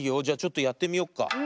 じゃちょっとやってみよっか。